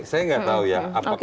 saya nggak tahu ya